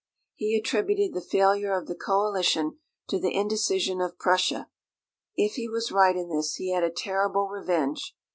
He attributed the failure of the coalition to the indecision of Prussia. If he was right in this he had a terrible revenge.